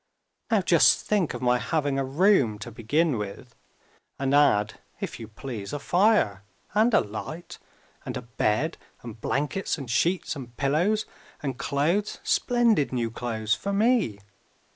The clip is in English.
"Now just think of my having a room, to begin with. And add, if you please, a fire and a light and a bed and blankets and sheets and pillows and clothes, splendid new clothes, for Me!